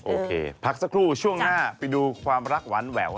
โอเคพักสักครู่ช่วงหน้าไปดูความรักหวานแหวว